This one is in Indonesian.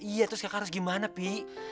iya terus kakak harus gimana pi